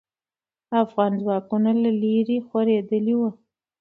افغان ځواکونه له لرې خورېدلې وو.